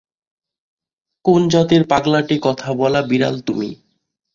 কোন জাতের পাগলাটে কথা বলা বিড়াল তুমি?